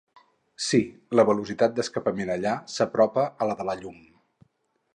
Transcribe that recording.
Sí, la velocitat d'escapament allà s'apropa a la de la llum.